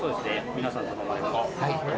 皆さん頼まれます。